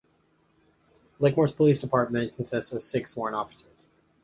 Lakemoor's Police Department consists of six sworn officers.